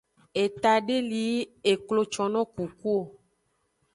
Eta de li yi eklo conno kuku o.